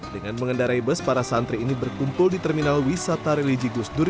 dengan mengendarai bus para santri ini berkumpul di terminal wisata religi gusdur